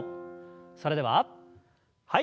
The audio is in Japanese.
それでははい。